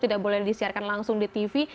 tidak boleh disiarkan langsung di tv